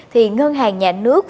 thì ngân hàng nhà nước